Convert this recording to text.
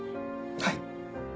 はい。